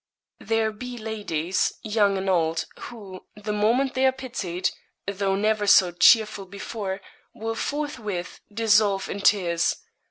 There be ladies, young and old, who, the moment they are pitied, though never so cheerful before, will forthwith dissolve in tears.